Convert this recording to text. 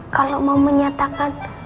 kalau mau menyatakan